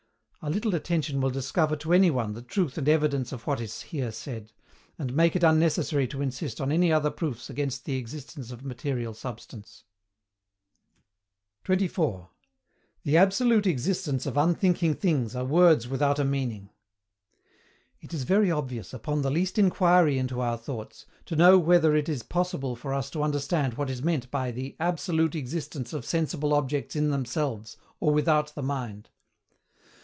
A little attention will discover to any one the truth and evidence of what is here said, and make it unnecessary to insist on any other proofs against the existence of material substance. 24. THE ABSOLUTE EXISTENCE OF UNTHINKING THINGS ARE WORDS WITHOUT A MEANING. It is very obvious, upon the least inquiry into our thoughts, to know whether it is possible for us to understand what is meant by the ABSOLUTE EXISTENCE OF SENSIBLE OBJECTS IN THEMSELVES, OR WITHOUT THE MIND.